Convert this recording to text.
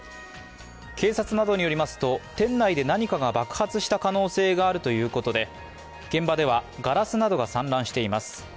警察などによりますと、店内で何かが爆発した可能性があるということで現場ではガラスなどが散乱しています。